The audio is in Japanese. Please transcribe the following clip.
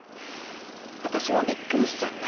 私もびっくりしちゃった。